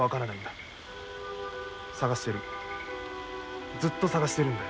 ずっと探してるんだよ。